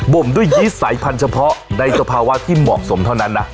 มด้วยยีสสายพันธุ์เฉพาะในสภาวะที่เหมาะสมเท่านั้นนะ